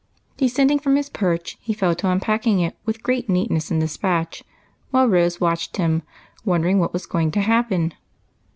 Descending from his perch, he fell to unpacking it with great neatness and despatch, while Rose watched him, wondering what was going to happen.